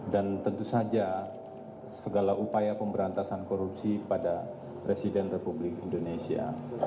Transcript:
dan tentu saja segala upaya pemberantasan korupsi pada presiden republik indonesia